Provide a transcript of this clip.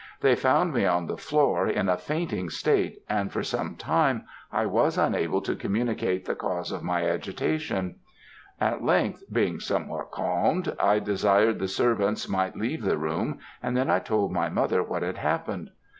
They found me on the floor in a fainting state, and for some time I was unable to communicate the cause of my agitation. At length, being somewhat calmed, I desired the servants might leave the room, and then I told my mother what had happened.